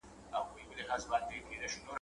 ستا په نوم به خیراتونه وېشل کېږي `